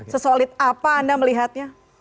sesolid apa anda melihatnya